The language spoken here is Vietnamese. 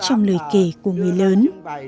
trong lời kể của người lớn